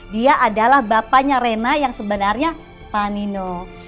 dia adalah bapaknya rena yang sebenarnya pak nino